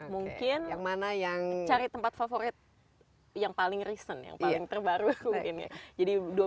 mungkin cari tempat favorit yang paling recent yang paling terbaru